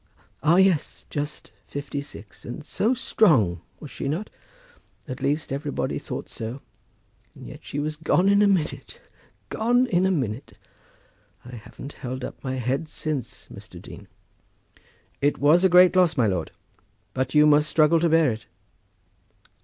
"Ah, yes; just fifty six, and so strong! Was she not? At least everybody thought so. And yet she was gone in a minute; gone in a minute. I haven't held up my head since, Mr. Dean." "It was a great loss, my lord; but you must struggle to bear it."